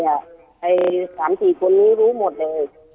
แต่ถ้าอย่างคนนี้รู้หมดเลย